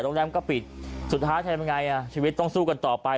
แรมก็ปิดสุดท้ายทำยังไงอ่ะชีวิตต้องสู้กันต่อไป